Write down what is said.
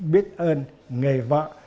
biết ơn nghề vợ